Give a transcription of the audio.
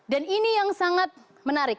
dan ini yang sangat menarik